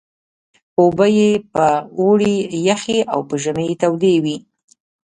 اوبه یې په اوړي یخې او په ژمي تودې وې.